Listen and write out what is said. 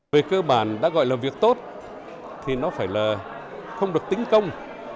về cơ bản đã gọi là việc tốt thì nó phải là không được tính công